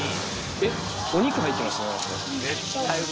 えっお肉入ってますね。